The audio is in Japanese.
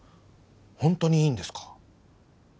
ホントにいいんですか？